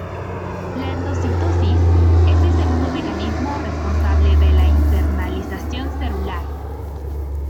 La endocitosis es el segundo mecanismo responsable de la internalización celular.